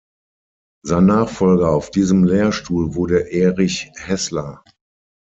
Sein Nachfolger auf diesem Lehrstuhl wurde Erich Häßler.